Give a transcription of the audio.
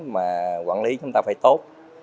mà quản lý chúng ta phải tốt